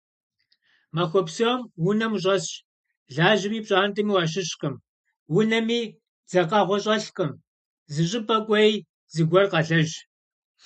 Махуэ псом унэм ущӀэсщ, лажьэми пщӀантӀэми уащыщкъым, унэми дзэкъэгъуэ щӀэлъкым, зыщӀыпӀэ кӀуэи, зыгуэр къэлэжь.